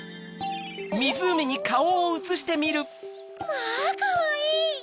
まぁかわいい！